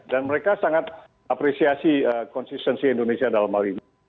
dan mereka sangat apresiasi konsistensi indonesia dalam hal ini